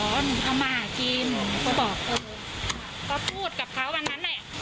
หนูทำมาหากินหนูก็บอกเออก็พูดกับเขาวันนั้นแหละ